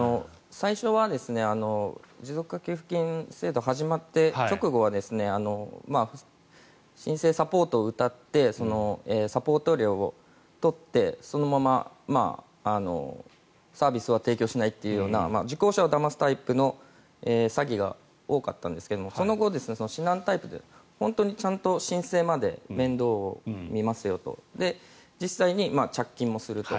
最初は持続化給付金制度始まって直後は申請サポートをうたってサポート料を取ってそのままサービスは提供しないというような受講者をだますタイプの詐欺が多かったんですがその後、指南タイプで本当にちゃんと申請まで面倒を見ますよと実際に着金もすると。